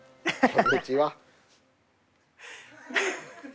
こんにちは。